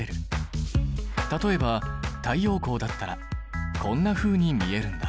例えば太陽光だったらこんなふうに見えるんだ。